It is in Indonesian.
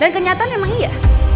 dan kenyataan emang iya